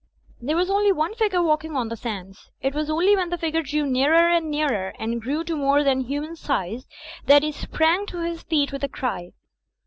There was only one figure walking on the sands. It was only when the figure drew nearer and nearer and •grew to more than human size, that he sprang to his feet with a cry.